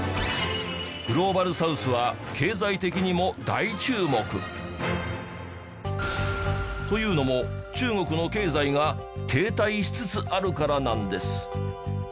グローバルサウスはというのも中国の経済が停滞しつつあるからなんです